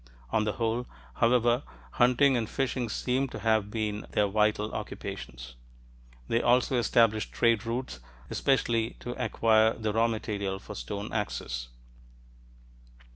On the whole, however, hunting and fishing seem to have been their vital occupations. They also established trade routes especially to acquire the raw material for stone axes.